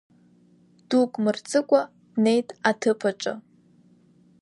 Дук мырҵыкәа днеит аҭыԥ аҿы.